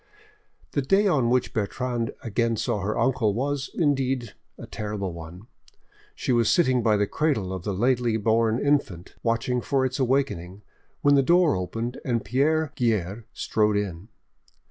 The day on which Bertrande again saw her uncle was, indeed, a terrible one. She was sitting by the cradle of the lately born infant, watching for its awakening, when the door opened, and Pierre Guerre strode in.